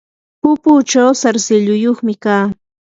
pupuchaw sarsilluyuqmi kaa.